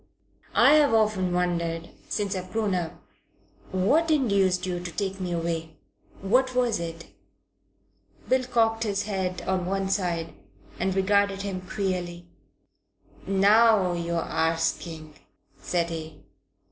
"I've often wondered since I've grown up what induced you to take me away. What was it?" Bill cocked his head on one side and regarded him queerly. "Now you're arsking," said he.